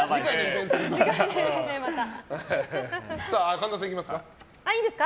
神田さん、いきますか。